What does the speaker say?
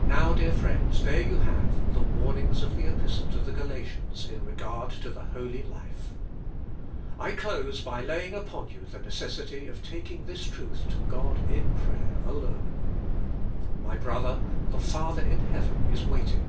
Now, dear friends, there you have the warnings of the Kpistle to the Galatians in regard to the holy life. I close by laying upon you the necessity of taking this truth to God in prayer, alone. My brother, the Father in heaven is waiting.